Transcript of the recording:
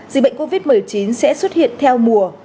dịch bệnh covid một mươi chín sẽ xuất hiện theo mùa